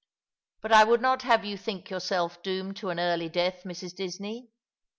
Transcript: But I would not have you think yourself doomed to an early death, Mrs. Disney.